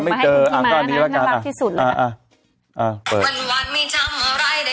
มีคนส่งมาให้พี่ที่ม้านะน่ารักที่สุด